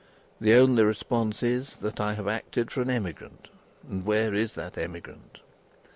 The only response is, that I have acted for an emigrant, and where is that emigrant?